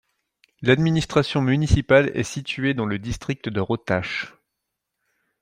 L'administration municipale est située dans le district de Rottach.